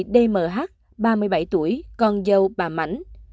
dmh ba mươi bảy tuổi con dâu bà mảnh